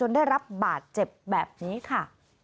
ได้รับบาดเจ็บแบบนี้ค่ะ